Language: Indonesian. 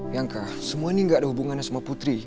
ya kak semua ini gak ada hubungannya sama putri